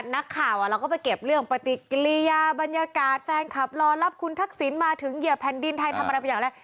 นักข่าวเราก็ไปเก็บเรื่องปฏิกิริยาบรรยากาศแฟนคลับรอรับคุณทักษิณมาถึงเหยื่อแผ่นดินไทยทำอะไรไปอย่างไร